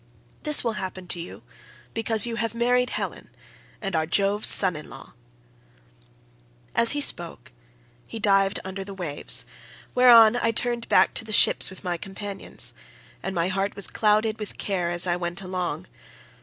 This will happen to you because you have married Helen, and are Jove's son in law.' "As he spoke he dived under the waves, whereon I turned back to the ships with my companions, and my heart was clouded with care as I went along.